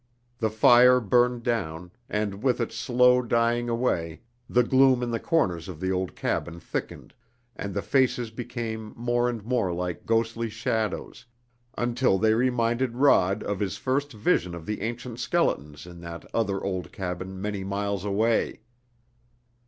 The fire burned down, and with its slow dying away the gloom in the corners of the old cabin thickened, and the faces became more and more like ghostly shadows, until they reminded Rod of his first vision of the ancient skeletons in that other old cabin many miles away.